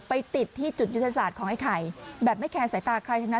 ไปติดที่จุดยุทธศาสตร์ของไอ้ไข่แบบไม่แคร์สายตาใครทั้งนั้น